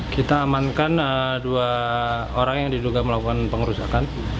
kita amankan dua orang yang diduga melakukan pengerusakan